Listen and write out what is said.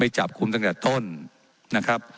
ว่าการกระทรวงบาทไทยนะครับ